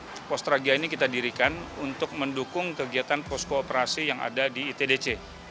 secara khusus pos tragia ini kita dirikan untuk mendukung kegiatan polst kooperasi yang ada di itdc